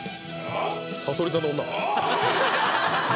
「さそり座の女」